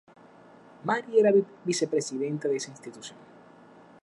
Mary era Vicepresidenta de esta institución.